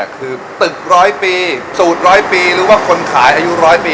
คือตึก๑๐๐ปีสูตร๑๐๐ปีหรือว่าคนขาย๑๐๐ปี